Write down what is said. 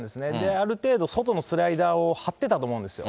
ある程度、外のスライダーをはってたと思うんですよ。